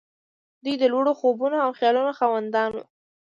دوی د لوړو خوبونو او خيالونو خاوندان وو.